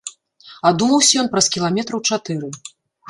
Адумаўся ён праз кіламетраў чатыры.